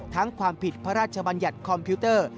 ความผิดพระราชบัญญัติคอมพิวเตอร์